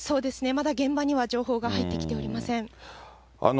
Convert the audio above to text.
まだ現場には情報が入ってきておりません。